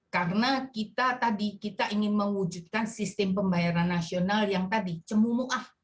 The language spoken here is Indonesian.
karena kita tadi kita ingin mewujudkan sistem pembayaran nasional yang tadi cemumuah